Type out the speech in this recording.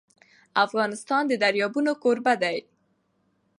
افغانستان د دریابونه کوربه دی.